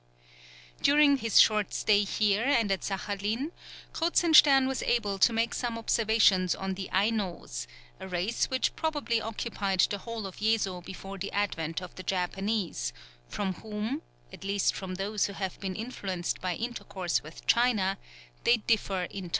During his short stay here and at Saghalien, Kruzenstern was able to make some observations on the Ainos, a race which probably occupied the whole of Yezo before the advent of the Japanese, from whom at least from those who have been influenced by intercourse with China they differ entirely.